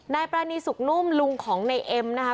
นายปรณีสุขนุ่มลุงของไหนเย็มนะคะ